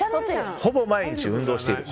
ほぼ毎日、運動している。